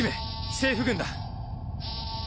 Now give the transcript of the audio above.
政府軍だ！